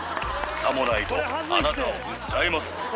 さもないと、あなたを訴えます。